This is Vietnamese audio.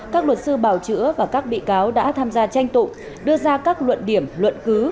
các luật sư bào chữa và các bị cáo đã tham gia tranh tụng đưa ra các luận điểm luận cứ